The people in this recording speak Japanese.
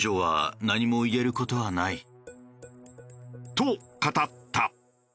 と語った。